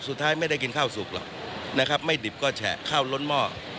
สุดท้ายไม่ได้กินข้าวสุกหรอกนะครับไม่ดิบก็แฉะข้าวล้นหม้อ